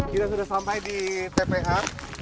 kita sudah sampai di tpa